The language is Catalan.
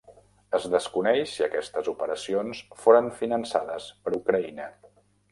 Es desconeix si aquestes operacions foren finançades per Ucraïna.